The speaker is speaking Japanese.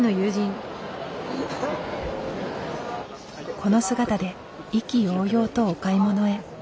この姿で意気揚々とお買い物へ。